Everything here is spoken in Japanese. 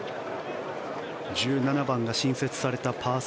１７番が新設されたパー３。